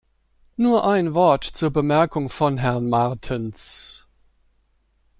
Nur ein Wort zur Bemerkung von Herrn Martens.